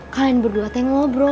kalian berdua tenglo bro